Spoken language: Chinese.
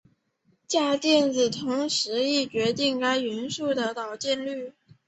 价电子同时亦决定该元素的电导率。